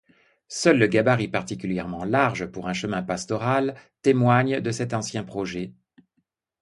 Seul le gabarit particulièrement large pour un chemin pastoral témoigne de cet ancien projet.